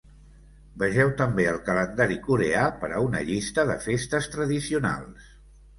Vegeu també el calendari coreà per a una llista de festes tradicionals.